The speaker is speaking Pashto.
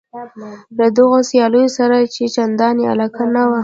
له دغو سیالیو سره یې چندانې علاقه نه وه.